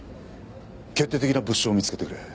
決定的な物証を見つけてくれ。